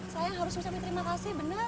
sayang harusnya saya minta terima kasih benar